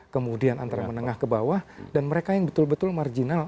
kemudian antara menengah ke bawah dan mereka yang betul betul marginal